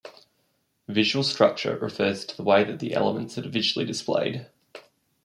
Visual structure refers to the way that the elements are visually displayed.